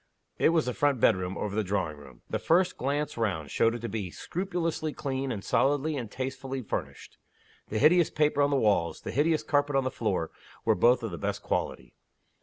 It was the front bedroom, over the drawing room. The first glance round showed it to be scrupulously clean, and solidly and tastelessly furnished. The hideous paper on the walls, the hideous carpet on the floor, were both of the best quality.